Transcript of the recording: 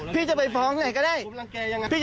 พี่จะไปฟ้อนไหนก็ได้